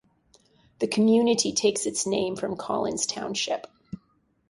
The community takes its name from Collins Township.